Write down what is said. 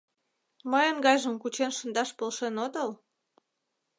— Мыйын гайжым кучен шындаш полшен отыл?